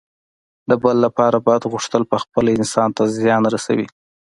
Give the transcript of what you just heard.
د بل لپاره بد غوښتل پخپله انسان ته زیان رسوي.